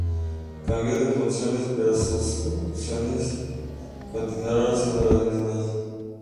Cambió de funciones, pero sus convicciones continuaron siendo las mismas.